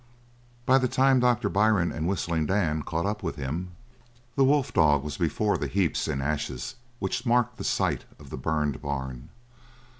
By the time Doctor Byrne and Whistling Dan caught up with him, the wolf dog was before the heaps and ashes which marked the site of the burned barn.